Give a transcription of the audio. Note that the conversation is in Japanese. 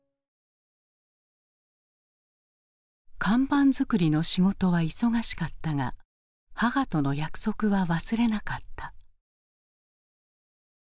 看板作りの仕事は忙しかったが母との約束は忘れなかった。